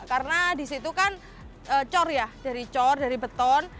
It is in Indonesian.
karena di situ kan cor ya dari cor dari beton